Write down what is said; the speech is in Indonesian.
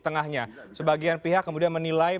tengahnya sebagian pihak kemudian menilai